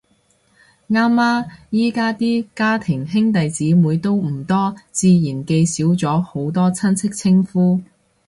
啱呀，而家啲家庭兄弟姊妹都唔多，自然記少咗好多親戚稱呼